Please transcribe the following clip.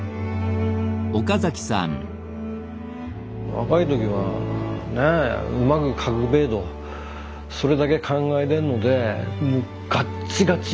若い時はねえ。うまく描くべえとそれだけ考えてるのでもうガッチガチ。